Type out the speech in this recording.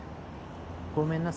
ごめんなさい。